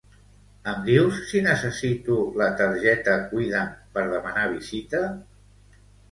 Em dius si necessito la targeta Cuida'm per demanar visita?